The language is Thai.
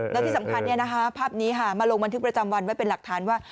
แล้วที่สำคัญภาพนี้มาลงบันทึกประจำวันไว้เป็นหลักฐานว่า